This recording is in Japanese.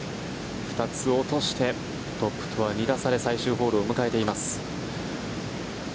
２つ落としてトップとは２打差で最終ホールを迎えています。